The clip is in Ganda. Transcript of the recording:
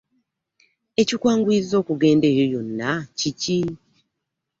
Ekikwanguyizza okugenda eyo yonna kiki?